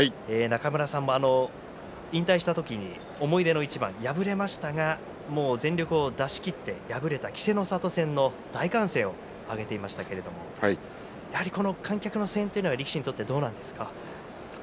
引退した時に思い出の一番敗れましたがもう全力を出しきって敗れた稀勢の里戦の大歓声を挙げていましたけれどもやはり、この観客の声援は力士にとってどうなんですか。